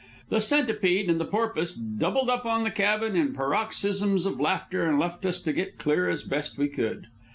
The Centipede and the Porpoise doubled up on the cabin in paroxysms of laughter, and left us to get clear as best we could.